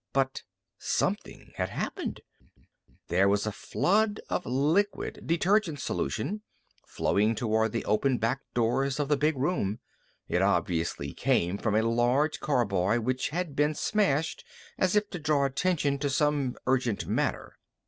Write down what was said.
But something had happened. There was a flood of liquid detergent solution flowing toward the open back doors of the big room. It obviously came from a large carboy which had been smashed as if to draw attention to some urgent matter.